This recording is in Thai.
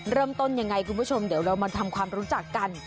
เริ่มต้นยังไงคุณผู้ชมเดี๋ยวเรามาทำความรู้จักกัน